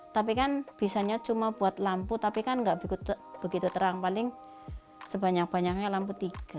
tapi kan bisanya cuma buat lampu tapi kan nggak begitu terang paling sebanyak banyaknya lampu tiga